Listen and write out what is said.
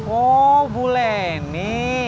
oh bu leni